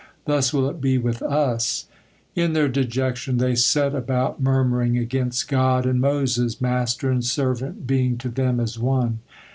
Thus will it be with us!" In their dejection they set about murmuring against God and Moses, "master and servant being to them as one."